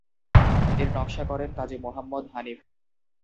এর নকশা করেন কাজী মোহাম্মদ হানিফ।